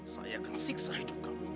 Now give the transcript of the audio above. saya akan siksa hidup